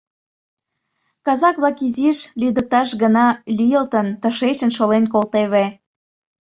Казак-влак изиш, лӱдыкташ гына, лӱйылтын, тышечын шолен колтеве.